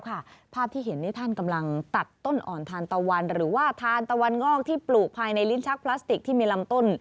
ภาพที่เห็นนี่ท่านกำลังตัดต้นอ่อนทานตะวันหรือว่าทานตะวันงอกที่ปลูกภายในลิ้นชักพลาสติกที่มีลำต้น